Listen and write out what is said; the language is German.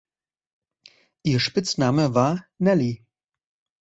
Ihr Spitzname war „Nellie“.